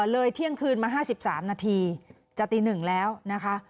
เลยเที่ยงคืนมาห้าสิบสามนาทีจะตีหนึ่งแล้วนะคะ